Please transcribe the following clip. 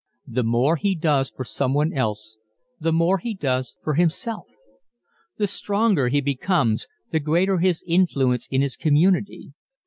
The more he does for someone else the more he does for himself. The stronger he becomes the greater his influence in his community.